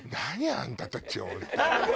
あんたたち本当。